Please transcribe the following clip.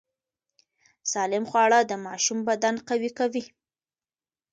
سالم خواړه د ماشوم بدن قوي کوي۔